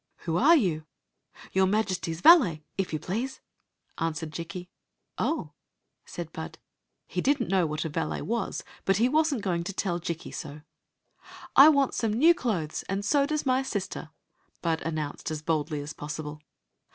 " Who are you ?" "Your Majesty's valet, if you please," answered Jikki. " Oh !" said Bud. He did n't know what a valet was, but he was n t gdng to tell Jikki sa " I want some new clothes, and so does my sister," Bud announced, as boldly as possible.